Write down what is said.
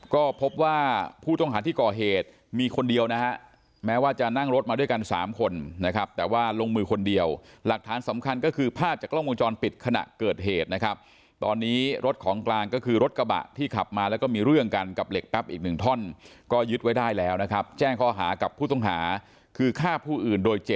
ก็พบว่าผู้ต้องหาที่ก่อเหตุมีคนเดียวนะฮะแม้ว่าจะนั่งรถมาด้วยกัน๓คนนะครับแต่ว่าลงมือคนเดียวหลักฐานสำคัญก็คือภาพจากกล้องวงจรปิดขณะเกิดเหตุนะครับตอนนี้รถของกลางก็คือรถกระบะที่ขับมาแล้วก็มีเรื่องกันกับเหล็กแป๊บอีกหนึ่งท่อนก็ยึดไว้ได้แล้วนะครับแจ้งข้อหากับผู้ต้องหาคือฆ่าผู้อื่นโดยเจ